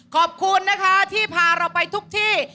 ขอบคุณนะคะที่พาเราไปทุกที่